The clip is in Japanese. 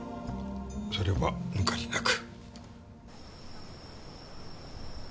それは抜かりなく。